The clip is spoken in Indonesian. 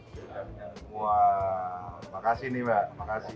terima kasih ya mbak